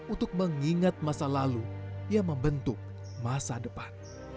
untuk mengingat masa lalu yang membentuk masa depan